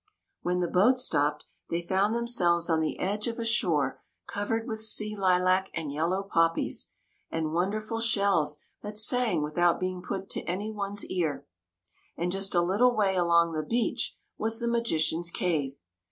When the boat stopped, they found them selves on the edge of a shore covered with sea lilac and yellow poppies, and wonderful shells that sang without being put to any one's ear ; and just a little way along the beach was the magician's cave.